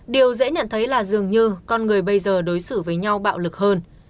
điều dễ nhận thấy là dường như con người bây giờ đối xử với nhau bạo lực hơn